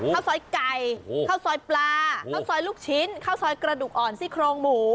ข้าวซอยไก่ข้าวซอยปลาข้าวซอยลูกชิ้นข้าวซอยกระดูกอ่อนซี่โครงหมู